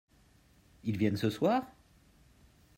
ils viennent ce soir ?